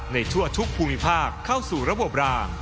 ทั่วทุกภูมิภาคเข้าสู่ระบบราง